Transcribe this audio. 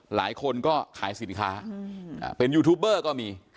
หลายคนก็ขายสินค้าเป็นยูทูบเบอร์ก็มี